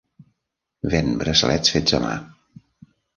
Ven braçalets fets a mà.